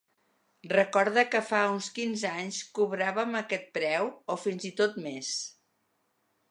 Recorde que fa uns quinze anys cobràvem aquest preu, o fins i tot més.